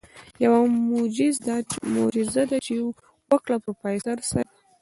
يره موجيزه دې وکړه پروفيسر صيب.